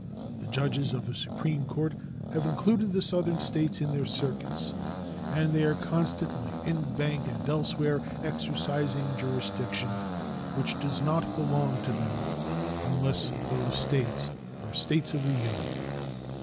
The judges of the Supreme Court have included the Southern States in their circuits, and they are constantly, in banc and elsewhere, exercising jurisdiction which does not belong to them unless those States are States of the Union.